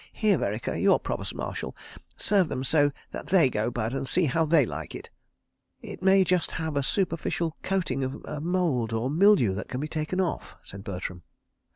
"Here, Vereker, you're Provost Marshal. Serve them so that they go bad—and see how they like it." "It may just have a superficial coating of mould or mildew that can be taken off," said Bertram.